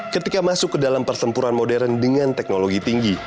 ketika masuk ke dalam pertempuran modern dengan teknologi tinggi